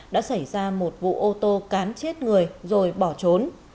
đã xảy ra một vụ ô tô cán chết người rồi bỏ trốn